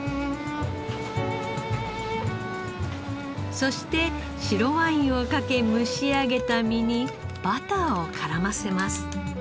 そして白ワインをかけ蒸し上げた身にバターを絡ませます。